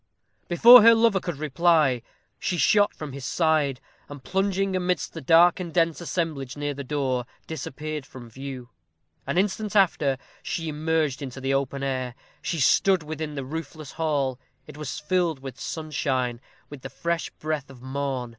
Before her lover could reply, she shot from his side, and plunging amidst the dark and dense assemblage near the door, disappeared from view. An instant after, she emerged into the open air. She stood within the roofless hall. It was filled with sunshine with the fresh breath of morn.